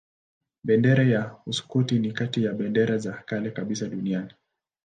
Bendera ya Uskoti ni kati ya bendera za kale kabisa duniani.